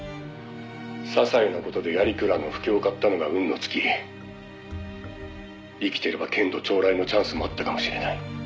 「ささいな事で鑓鞍の不興を買ったのが運の尽き」「生きてれば捲土重来のチャンスもあったかもしれない」